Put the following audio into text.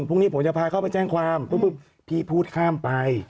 พรุ่งนี้ผมจะพาเขาไปแจ้งความปุ๊บพี่พูดข้ามไป